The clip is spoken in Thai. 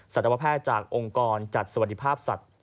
สัตวแพทย์จากองค์กรจัดสวัสดิภาพสัตว์